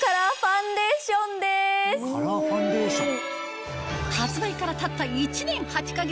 カラーファンデーション。